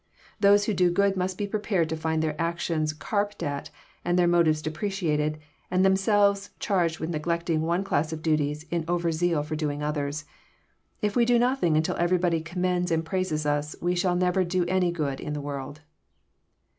Those who do good must be prepared to find their actions carped at and their motives depreciated, and themselves charged with neglecting one class of duties in over zeal for doing others. If we do nothing until everybody commends and praises us, we shall nev er do any good in the world.